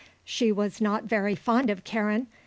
She was not very fond of Karen.